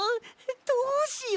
どうしよう！